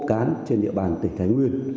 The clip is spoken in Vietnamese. cộng cán trên địa bàn tỉnh thái nguyên